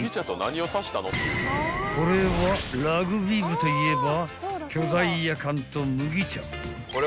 ［これはラグビー部といえば］